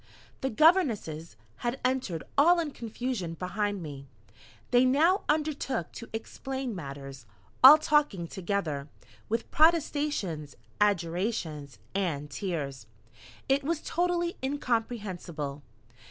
The governesses had entered all in confusion behind me. They now undertook to explain matters, all talking together, with protestations, adjurations, and tears it was totally incomprehensible....